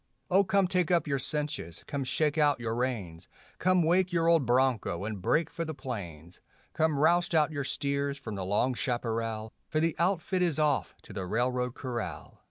Oh, come take up your cinches, come shake out your reins; Come wake your old broncho and break for the plains; Come roust out your steers from the long chaparral, For the outfit is off to the railroad corral.